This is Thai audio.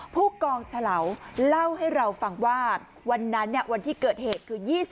ผู้กองเฉลาเล่าให้เราฟังว่าวันนั้นวันที่เกิดเหตุคือ